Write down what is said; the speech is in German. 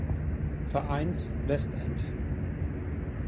Vereins Westend.